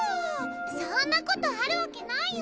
そんな事あるわけないよ！